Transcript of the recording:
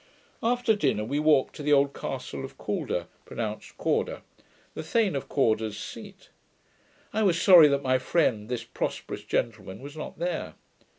After dinner, we walked to the old castle of Calder (pronounced Cawder), the Thane of Cawdor's seat. I was sorry that my friend, this 'prosperous gentleman', was not there.